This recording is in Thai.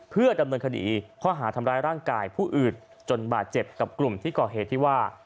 เพื่อดำเนินคดีข้อหาทำร้ายร่างกายผู้อื่นจนบาดเจ็บกับกลุ่มที่ก่อเหตุที่ว่า